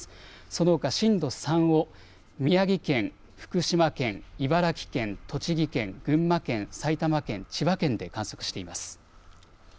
そのほか震度３を宮城県、福島県、茨城県、栃木県、群馬県、埼玉県、千葉県で観測しています。